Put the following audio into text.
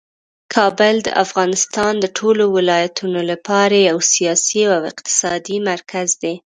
کابل د افغانستان د ټولو ولایتونو لپاره یو سیاسي او اقتصادي مرکز دی.